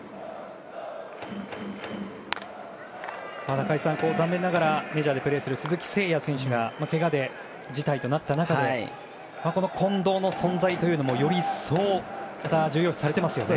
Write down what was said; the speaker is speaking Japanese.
中居さん、残念ながらメジャーでプレーする鈴木誠也選手がけがで辞退となった中でこの近藤の存在もより一層重要視されていますね。